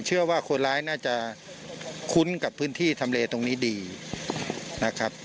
เชื่อว่าคนร้ายน่าจะคุ้นกับพื้นที่ทำเลตรงนี้ดีนะครับ